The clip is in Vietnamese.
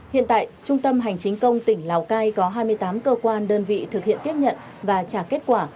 hiện tại trung tâm hành chính công tỉnh lào cai có hai mươi tám cơ quan đơn vị thực hiện tiếp nhận và trả kết quả